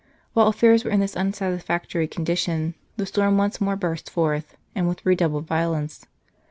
While affairs were in this unsatisfactory con dition, the storm once more burst forth and with redoubled violence.